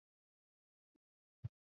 Samaki walivuliwa na wavuvi